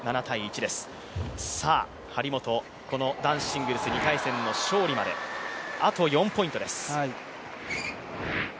張本、この男子シングルス２回戦の勝利まであと４ポイントです。